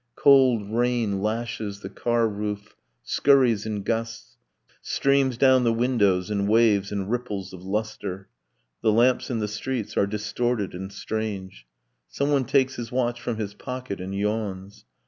Cold rain lashes the car roof, scurries in gusts, Streams down the windows in waves and ripples of lustre; The lamps in the streets are distorted and strange. Someone takes his watch from his pocket and yawns.